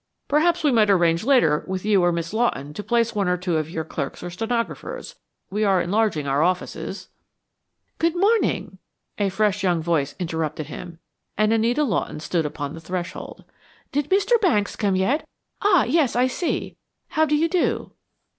"Perhaps we might arrange later with you or Miss Lawton to place one or two of your clerks or stenographers. We are enlarging our offices " "Good morning!" a fresh young voice interrupted him, and Anita Lawton stood upon the threshold. "Did Mr. Banks come yet? ah, yes, I see. How do you do?"